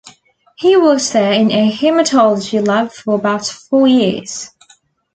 He worked there in a hematology lab for about four years.